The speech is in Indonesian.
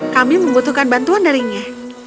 kami membutuhkan bantuan darinya